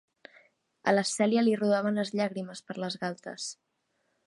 A la Cèlia li rodaven les llàgrimes per les galtes.